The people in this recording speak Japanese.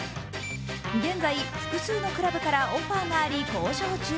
現在、複数のクラブからオファーがあり、交渉中。